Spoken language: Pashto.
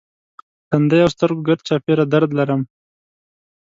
تندی او سترګو ګرد چاپېره درد لرم.